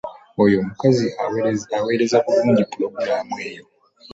Oyo omukazi awereza bulungi pulogulaamu eyo.